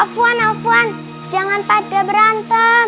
puan akuan jangan pada berantem